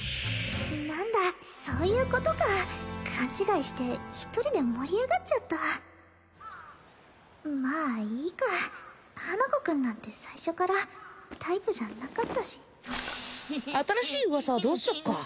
なんだそういうことか勘違いして一人で盛り上がっちゃったまあいいか花子くんなんて最初からタイプじゃなかったし新しい噂はどうしよっか？